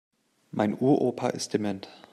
Mein Uropa ist dement.